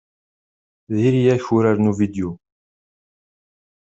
Diri-yak uraren uvidyu.